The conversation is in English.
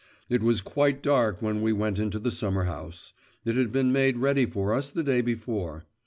It was quite dark when we went into the summer house; it had been made ready for us the day before.